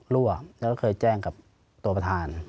ร่วมแล้วก็เคยแจ้งกับตัวประธาน